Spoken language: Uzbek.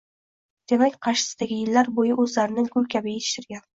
Demak, qarshisidagi yillar bo'yi o'zlarini gul kabi yetishtirgan